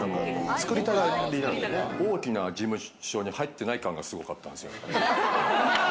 大きな事務所に入ってない感がすごかったんですよ。